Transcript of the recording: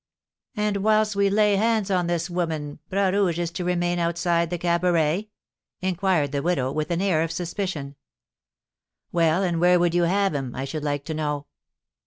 "And, whilst we lay hands on this woman, Bras Rouge is to remain outside the cabaret?" inquired the widow, with an air of suspicion. "Well, and where would you have him, I should like to know?